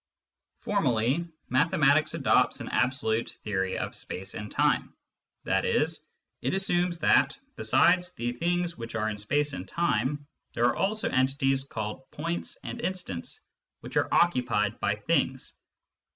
Formally, mathematics adopts an absolute theory of space and time, i.e. it assumes that, besides the things which are in space and time, there are also entities, called " points " and " instants," which are occupied by things.